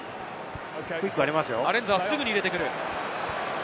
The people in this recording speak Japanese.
アレンザが、すぐに入れてくる。